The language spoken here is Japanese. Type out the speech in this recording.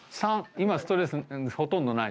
今、ストレスほとんどない。